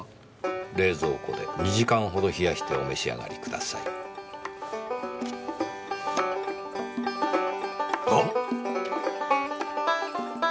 「冷蔵庫で２時間ほど冷やしてお召し上がりください」あっ！？